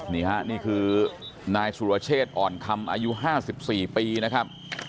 นี่คือนายสุรเชษฐอ่อนคำอายุ๕๔ปีนะครับ